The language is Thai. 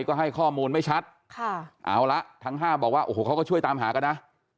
ก็ให้ข้อมูลไม่ชัดค่ะเอาละทั้ง๕บอกว่าโอ้โหเขาก็ช่วยตามหากันนะ